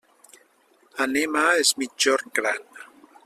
Anem a es Migjorn Gran.